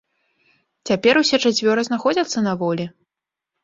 Цяпер усе чацвёра знаходзяцца на волі.